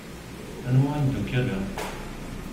Anwa imeddukal-a?